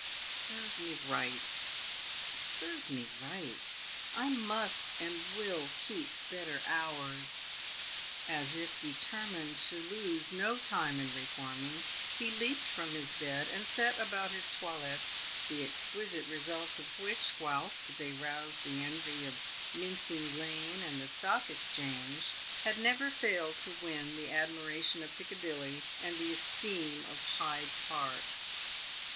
It serves s 258 PAVED "WITH GOLD. me right — it serves me right ! I must and will keep better hours !" As if determined to lose no time in reforming, he leaped from his bed, and set about his toilet — the exquisite results of which, whilst they roused the envy of Mincing lane and the Stock Exchange, had never failed to win the admiration of Piccadilly and the esteem of Hyde Park.